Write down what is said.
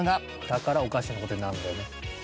だからおかしな事になるんだよね。